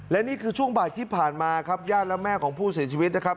และนี่คือช่วงบ่ายที่ผ่านมาครับญาติและแม่ของผู้เสียชีวิตนะครับ